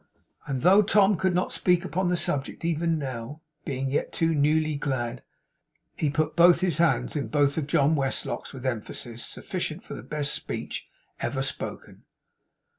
And though Tom could not speak upon the subject even now; being yet too newly glad, he put both his hands in both of John's with emphasis sufficient for the best speech ever spoken.